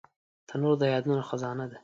تنور د یادونو خزانه ده